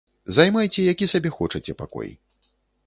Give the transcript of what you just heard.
Займайце які сабе хочаце пакой.